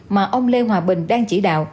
mà ông lê hòa bình đang chỉ đạo